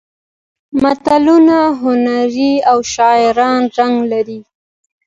متلونه هنري او شاعرانه رنګ لري